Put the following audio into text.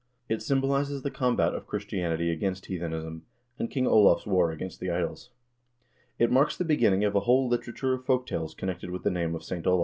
It symbolizes the combat of Christianity against heathenism, and King Olav's war against the idols. It marks the beginning of a whole literature of folk tales connected with the name of Saint Olav.